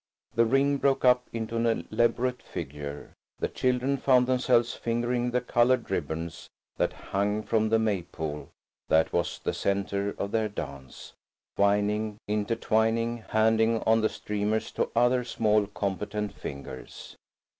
The ring broke up into an elaborate figure. The children found themselves fingering the coloured ribbons that hung from the Maypole that was the centre of their dance, twining, intertwining, handing on the streamers to other small, competent fingers.